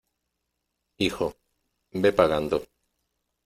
hijo, ve pagando...